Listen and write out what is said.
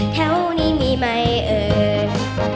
แถวนี้มีไหมเอ่ย